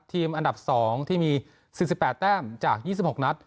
ทีมอันดับ๒ที่มี๔๘แต้มจาก๒๖นัด